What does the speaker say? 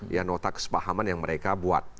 ya nota kesepahaman yang mereka buat